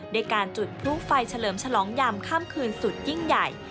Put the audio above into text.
ด้วยการจุดพลุไฟเฉลิมฉลองยามค่ำคืนสุดยิ่งใหญ่